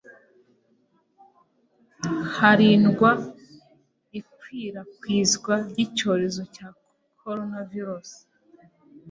hirindwa ikwirakwizwa ry'icyorezo cya Coronavirus.